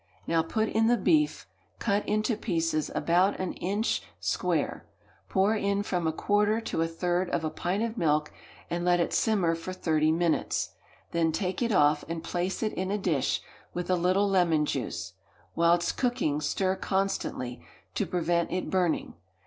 Now put in the beef, cut into pieces about an inch square; pour in from a quarter to a third of a pint of milk, and let it simmer for thirty minutes; then take it off, and place it in a dish, with a little lemon juice. Whilst cooking stir constantly, to prevent it burning.